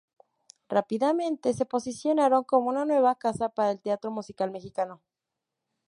Rápidamente se posicionaron como una nueva casa para el teatro musical mexicano.